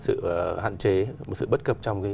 sự hạn chế sự bất cập trong